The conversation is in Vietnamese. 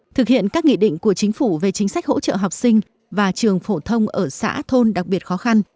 thực hiện các nghị định của chính phủ về chính sách hỗ trợ học sinh và trường phổ thông ở xã thôn đặc biệt khó khăn